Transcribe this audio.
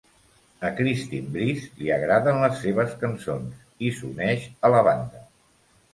A Christine Brice li agraden les seves cançons, i s'uneix a la banda.